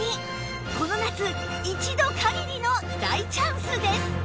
この夏一度限りの大チャンスです